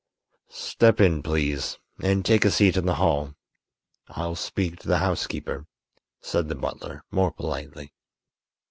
"Step in, please, and take a seat in the hall. I'll speak to the housekeeper," said the butler, more politely.